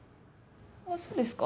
あっそうですか？